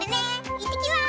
いってきます！